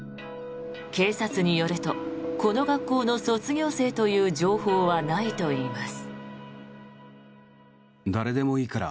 警察によるとこの学校の卒業生という情報はないといいます。